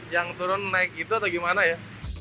yang turun naik itu atau gimana ya